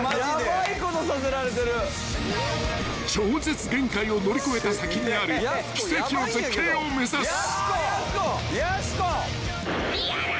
［超絶限界を乗り越えた先にある奇跡の絶景を目指す］